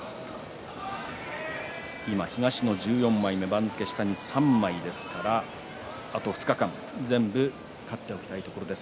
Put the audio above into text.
東の１４枚目下に３枚ですから、あと２日間全部勝っておきたいところです